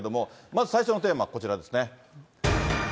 まず最初のテーマ、こちらですね。